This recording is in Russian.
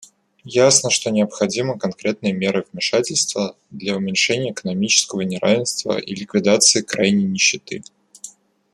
Ясно, что необходимы конкретные меры вмешательства для уменьшения экономического неравенства и ликвидации крайней нищеты.